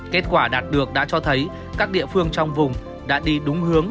kết quả đạt được đã cho thấy các địa phương trong vùng đã đi đúng hướng